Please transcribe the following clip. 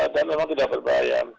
dan memang tidak berbahaya